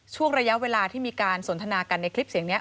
ช่วงระยะเวลาที่มีการสนทนากันในคลิปเสียงนี้